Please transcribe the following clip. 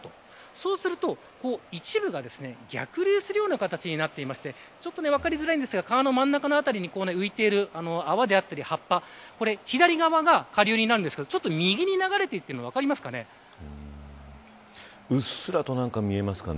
そうすると、一部が逆流するような形になっていて分かりづらいんですが川の真ん中辺りに浮いている泡であったり葉っぱ左側が下流になりますが、右に流れていっているのがうっすらと見えますかね。